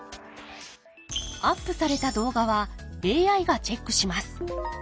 アップされた動画はＡＩがチェックします。